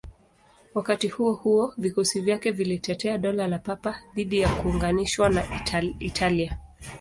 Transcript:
Wakati huo huo, vikosi vyake vilitetea Dola la Papa dhidi ya kuunganishwa na Italia.